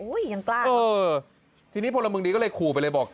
อุ๊ยยังกล้าเหรอเออทีนี้พวกละมึงดีก็เลยขู่ไปเลยบอก